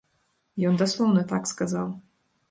Ён даслоўна так сказаў.